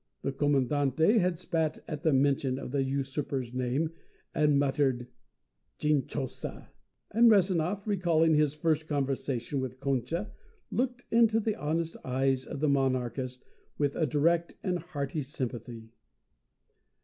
The Commandante had spat at the mention of the usurper's name and muttered "Chinchosa!" and Rezanov, recalling his first conversation with Concha, looked into the honest eyes of the monarchist with a direct and hearty sympathy.